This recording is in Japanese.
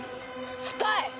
しつこい！